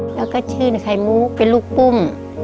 แล้วก็ชื่อในไข่มุกเป็นลูกปุ้ม